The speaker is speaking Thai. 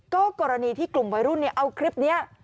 ก็กรณีที่กลุ่มวัยรุ่นเอาคลิปนี้